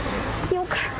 よかった。